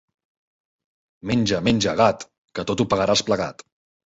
Menja, menja, gat, que tot ho pagaràs plegat.